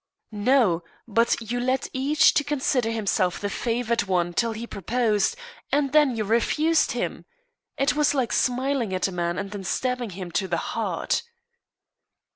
"No, but you led each to consider himself the favoured one till he proposed, and then you refused him. It was like smiling at a man and then stabbing him to the heart."